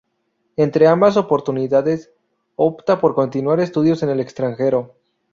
Entre ambas oportunidades, opta por continuar estudios en el extranjero.